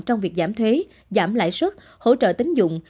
trong việc giảm thuế giảm lãi suất hỗ trợ tính dụng